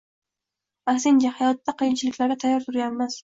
Aksincha, hayotda qiyinchiliklarga tayyor turganmiz.